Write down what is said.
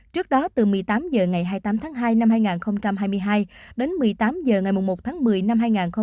trước đó từ một mươi tám h ngày hai mươi tám tháng hai năm hai nghìn hai mươi hai đến một mươi tám h ngày một tháng một mươi năm hai nghìn hai mươi ba